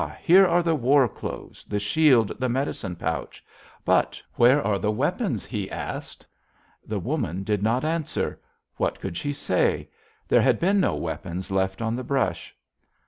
Here are the war clothes, the shield, the medicine pouch, but where are the weapons?' he asked. "The woman did not answer. What could she say? There had been no weapons left on the brush.